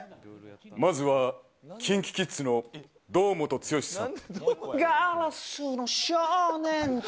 まずはＫｉｎｋｉＫｉｄｓの堂本剛さん。